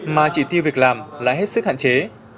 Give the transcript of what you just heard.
mà chỉ tiêu việc làm là hết sức hạn chế